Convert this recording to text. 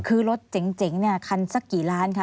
คือรถเจ๋งเนี่ยคันสักกี่ล้านคะ